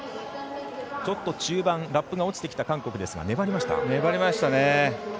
ちょっと中盤ラップが落ちてきた韓国ですが、粘りました。